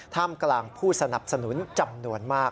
ท่ามกลางผู้สนับสนุนจำนวนมาก